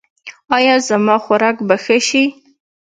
ایا زما خوراک به ښه شي؟